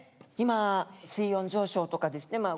今水温上昇とかですね